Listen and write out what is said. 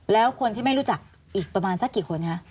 แล้วคนที่ไม่รู้จักอีกประมาณสักกี่คนคะ